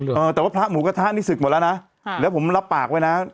เออแต่ว่าพระหมูกระทะนี่ศึกหมดแล้วนะค่ะแล้วผมรับปากไว้นะ